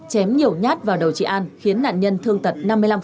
chém nhiều nhát vào đầu chị an khiến nạn nhân thương tật năm mươi năm